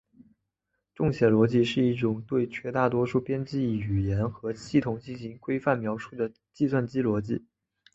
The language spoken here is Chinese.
重写逻辑是一种对绝大多数编程语言和系统进行规范描述的计算机逻辑。